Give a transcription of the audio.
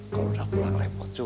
kalau udah pulang lepot juga